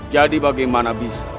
jadi bagaimana bisa